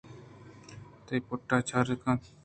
تئی پِت چے کار کنت؟